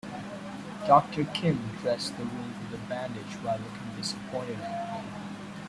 Doctor Kim dressed the wound with a bandage while looking disappointed at me.